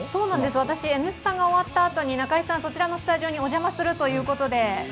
私、「Ｎスタ」が終わったあとにそちらのスタジオにお邪魔するということで。